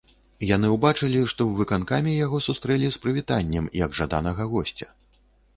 Яны ўбачылі, што ў выканкоме яго сустрэлі з прывітаннем, як жаданага госця.